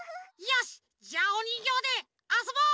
よしじゃあおにんぎょうであそぼう！